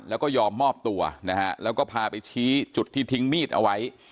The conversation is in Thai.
แล้วก็ยอมมอบตัวนะฮะแล้วก็พาไปชี้จุดที่ทิ้งมีดเอาไว้